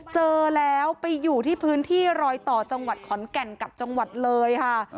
เจอแล้วไปอยู่ที่พื้นที่รอยต่อจังหวัดขอนแก่นกับจังหวัดเลยค่ะ